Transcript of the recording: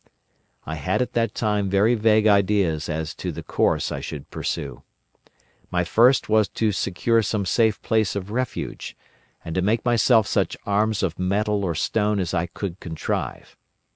"I had at that time very vague ideas as to the course I should pursue. My first was to secure some safe place of refuge, and to make myself such arms of metal or stone as I could contrive.